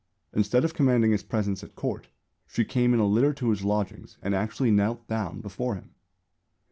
Instead of commanding his presence at Court she came in a litter to his lodgings and actually knelt down before him.